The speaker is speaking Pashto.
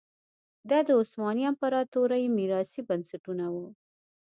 دا د عثماني امپراتورۍ میراثي بنسټونه وو.